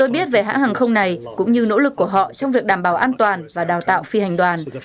tôi biết về hãng hàng không này cũng như nỗ lực của họ trong việc đảm bảo an toàn và đào tạo phi hành đoàn